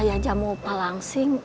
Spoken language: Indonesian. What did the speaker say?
ya jamu pak langsing